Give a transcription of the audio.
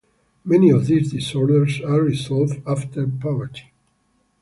Many of these disorders are resolved after puberty.